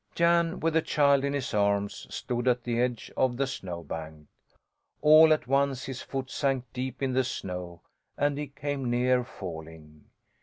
Jan, with the child in his arms, stood at the edge of the snowbank. All at once his foot sank deep in the snow, and he came near falling.